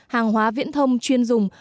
hàng hóa viễn thông chuyên dùng